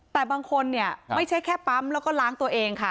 แต่บางคนเนี่ยไม่ใช่แค่ปั๊มแล้วก็ล้างตัวเองค่ะ